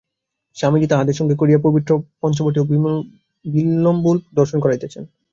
স্বামীজী তাঁহাদের সঙ্গে করিয়া পবিত্র পঞ্চবটী ও বিল্বমূল দর্শন করাইতেছেন।